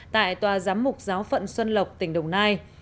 tại tòa giám mục giáo phận xuân lộc tỉnh đồng nai